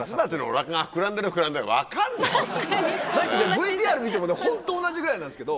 ＶＴＲ見てもねホント同じぐらいなんですけど。